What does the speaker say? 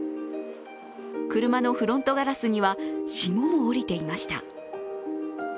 車のフロントガラスには霜も降りていました。